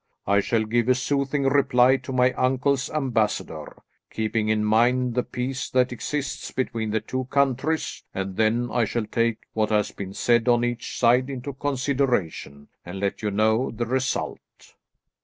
I shall give a soothing reply to my uncle's ambassador, keeping in mind the peace that exists between the two countries, and then I shall take what has been said on each side into consideration and let you know the result."